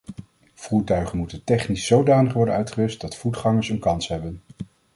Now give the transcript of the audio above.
Voertuigen moeten technisch zodanig worden uitgerust dat voetgangers een kans hebben.